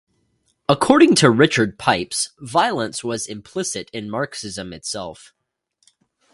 According to Richard Pipes, violence was implicit in Marxism itself.